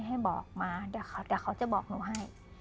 ให้บอกมาเดี๋ยวเขาจะบอกหนูให้